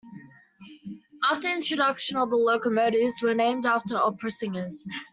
After introduction the locomotives were named after opera singers.